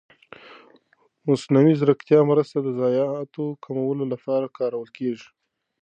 د مصنوعي ځېرکتیا مرسته د ضایعاتو کمولو لپاره کارول کېږي.